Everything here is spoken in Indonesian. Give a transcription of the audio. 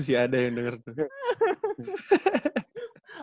masih ada yang denger tuh